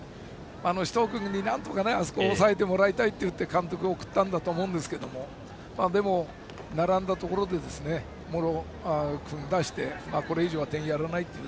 首藤君になんとかあそこを抑えてもらいたいと監督は送ったんだと思うんですけどもでも、並んだところで茂呂君を出してこれ以上は点をやらないという。